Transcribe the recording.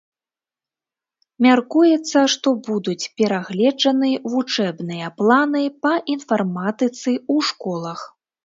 Мяркуецца, што будуць перагледжаны вучэбныя планы па інфарматыцы ў школах.